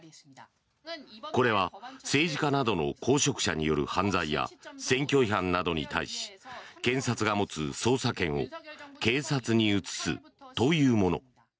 これは政治家などの公職者による犯罪や選挙違反などに対し検察が持つ捜査権を警察に移すというもの。